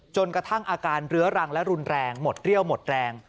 จนกระทั่งอาการเรื้อรังและรุนแรงหมดเรี่ยวหมดแรง